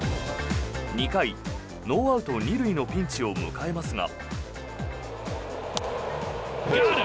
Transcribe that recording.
２回、ノーアウト２塁のピンチを迎えますが。